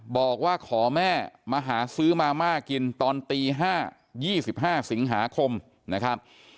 บอกว่าขอแม่มาหาซื้อมาม่ากินตอนตี๕๒๕สิงหาคมนะครับ